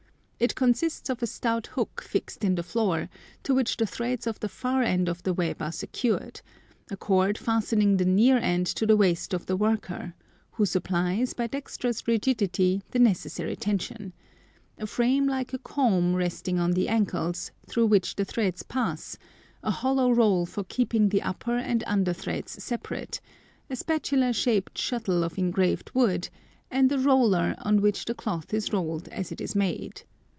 It consists of a stout hook fixed in the floor, to which the threads of the far end of the web are secured, a cord fastening the near end to the waist of the worker, who supplies, by dexterous rigidity, the necessary tension; a frame like a comb resting on the ankles, through which the threads pass, a hollow roll for keeping the upper and under threads separate, a spatula shaped shuttle of engraved wood, and a roller on which the cloth is rolled as it is made.